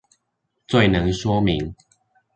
最能說明